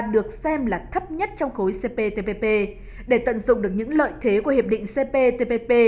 được xem là tốt nhất